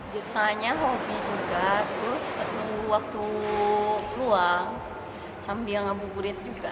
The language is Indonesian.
biasanya hobi juga terus waktu keluar sambil ngabuk burit juga